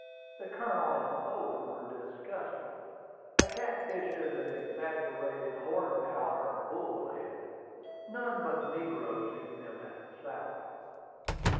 The Colonel and Owen were disgusted. A catfish is an exaggerated hornpout, or "bullhead." None but negroes eat them at the South.